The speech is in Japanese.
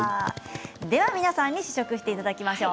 皆さんに試食していただきましょう。